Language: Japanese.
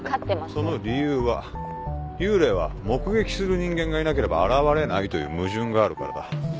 その理由は幽霊は目撃する人間がいなければ現れないという矛盾があるからだ。